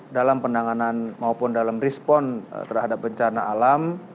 dalam penanganan maupun dalam respon terhadap bencana alam